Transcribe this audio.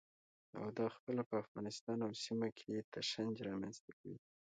او دا پخپله په افغانستان او سیمه کې تشنج رامنځته کوي.